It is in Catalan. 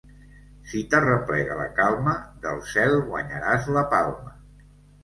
Si t'arreplega la calma, del cel guanyaràs la palma.